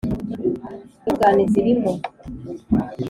Intungane zilimo